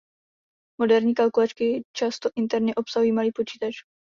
Moderní kalkulačky často interně obsahují malý počítač.